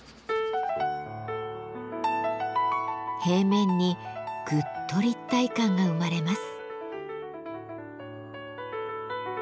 平面にぐっと立体感が生まれます。